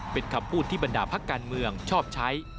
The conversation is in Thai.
เป็นคำพูดที่บรรดาพักการเมืองชอบใช้